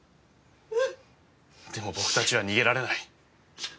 でも僕たちは逃げられない。